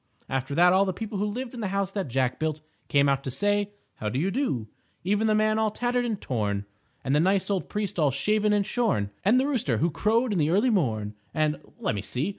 After that all the people who lived in the House that Jack Built came out to say "How do you do," even the Man All Tattered and Torn, and the nice old Priest All Shaven and Shorn, and the Rooster Who Crowed in the Early Morn. And, let me see!